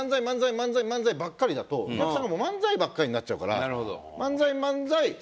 漫才漫才漫才ばっかりだとお客さんがもう漫才ばっかりになっちゃうから漫才漫才